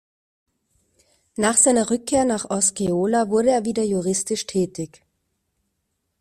Nach seiner Rückkehr nach Osceola wurde er wieder juristisch tätig.